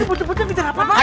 kebutuh kebutuh kejar apaan